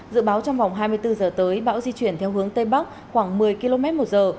dự báo trong vòng hai mươi bốn giờ tới bão di chuyển theo hướng tây bắc khoảng một mươi km một giờ